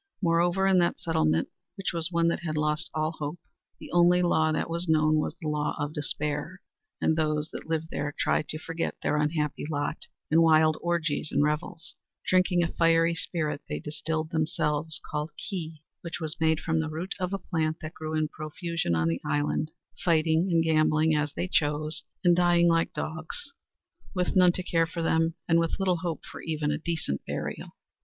Moreover, in that settlement, which was one that had lost all hope, the only law that was known was the law of despair, and those that lived there tried to forget their unhappy lot in wild orgies and revels, drinking a fiery spirit they distilled themselves called "Ki" which was made from the root of a plant that grew in profusion on the island, fighting and gambling as they chose, and dying like dogs with none to care for them, and with little hope for even a decent burial.